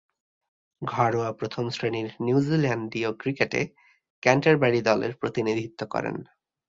ঘরোয়া প্রথম-শ্রেণীর নিউজিল্যান্ডীয় ক্রিকেটে ক্যান্টারবারি দলের প্রতিনিধিত্ব করেন।